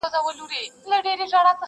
له امیده یې د زړه خونه خالي سوه.!